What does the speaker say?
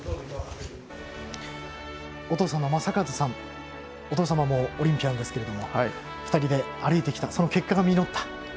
お父さんの正和さんもお父様もオリンピアンですが２人で歩いてきたその結果が実った。